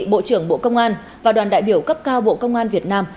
bộ trưởng bộ công an và đoàn đại biểu cấp cao bộ công an việt nam